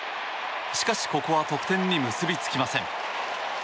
しかしここは得点に結びつきません。